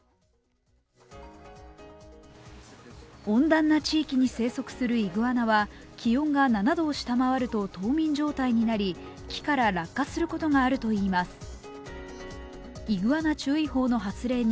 温暖な地域に生息するイグアナは気温が７度を下回ると冬眠状態になり木から落下することがあるといいます。